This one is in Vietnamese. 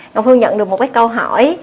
ngọc phương nhận được một cái câu hỏi